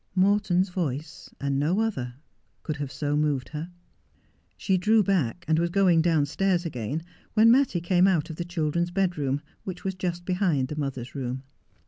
Morton's voice, and no other, could have so moved her. She drew back, and was going downstairs again, when Mattie came out of the children's bedroom, which was just behind the mother's room.